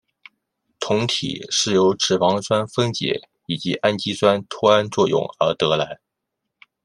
酮体是由脂肪酸分解以及氨基酸脱氨作用而得来。